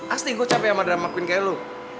asli gue capek sama drama queen kayak lo